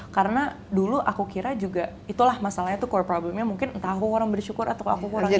karena dulu aku kira juga itulah masalahnya tuh core problemnya mungkin entah aku kurang bersyukur atau aku kurang iman